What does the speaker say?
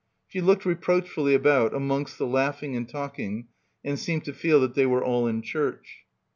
She looked reproachfully about amongst the laughing — 232 — BACKWATER and talking and seemed to feel that they were all in church.